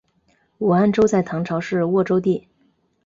武安州在唐朝是沃州地。